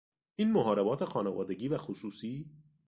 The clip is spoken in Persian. این محاربات خانوادگی و خصوصی